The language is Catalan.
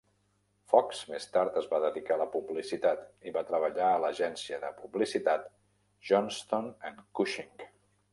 Fox més tard es va dedicar a la publicitat, i va treballar a l'agència de publicitat Johnstone and Cushing.